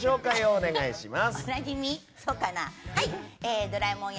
お願いします。